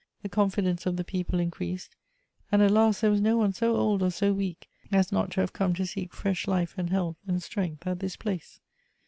The confidence of the people increased, and at last there was no one so old or so weak as not to have come to seek fresh life and health and strength at this place.